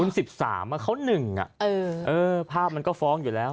คุณ๑๓เขา๑ภาพมันก็ฟ้องอยู่แล้ว